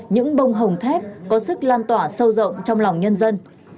những bông hồng thép có sức lan tỏa sâu rộng trong lòng nhân dân